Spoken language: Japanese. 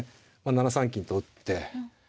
７三金と打って